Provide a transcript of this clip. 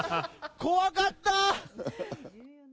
怖かった。